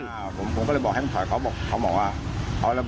อ๋อรถมันจะไหล